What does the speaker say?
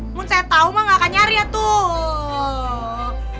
ampun saya tau mah gak akan nyari ya tuh